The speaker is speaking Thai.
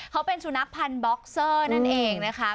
เขาเป็นสุนัขพันธ์บ็อกเซอร์นั่นเองนะคะ